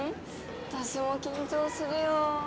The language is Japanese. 私も緊張するよ